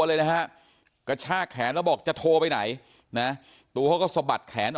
เลยนะฮะกระชากแขนแล้วบอกจะโทรไปไหนนะตัวเขาก็สะบัดแขนออก